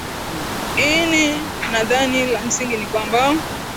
ini nadhani la msingi ni kwamba